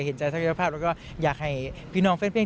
เห็นชาติช่วยเจ้าภาพแล้วก็อยากให้พี่น้องเพื่อน